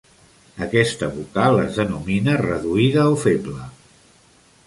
Aquesta vocal es denomina "reduïda" o "feble".